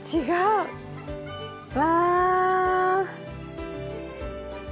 違う！わ！